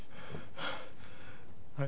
はい。